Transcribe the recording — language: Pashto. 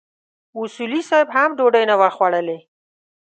اصولي صیب هم ډوډۍ نه وه خوړلې.